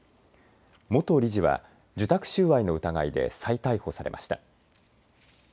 元理事は受託収賄の疑いで再逮捕されました。